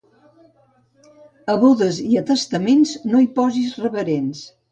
A bodes i a testaments no hi posis reverends.